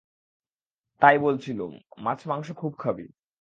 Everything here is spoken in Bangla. তাই বলছিলুম, মাছ-মাংস খুব খাবি।